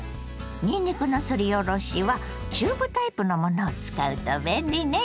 にんにくのすりおろしはチューブタイプのものを使うと便利ね。